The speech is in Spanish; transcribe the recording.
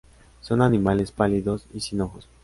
Son animales pálidos y sin ojos.